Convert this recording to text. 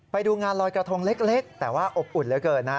ไปดูงานลอยกระทงเล็กแต่ว่าอบอุ่นเหลือเกินนะ